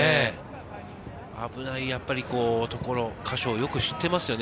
危ない所、箇所をよく知っていますよね、